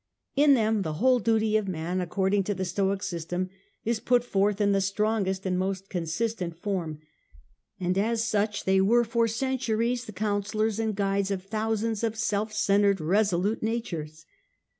In them the whole duty of man, according to the Stoic system, is put forth in the strongest and most consistent form ; and as such, they were for centuries the counsellors and guides of thousands of self centred resolute natures.